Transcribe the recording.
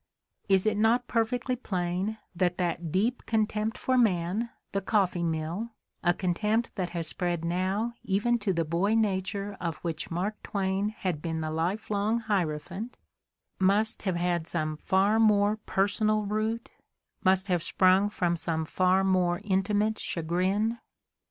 J Is it not perfectly plain that thaw deep contempt for man, the "coffee mill," a contempt that has spread now even to the boy nature of which Mark Twain had been the lifelong hierophant, must have had some far more personal root, must have sprung from some far more intimate chagrin?